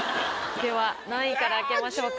では何位から開けましょうか？